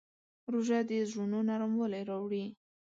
روژه د زړونو نرموالی راوړي.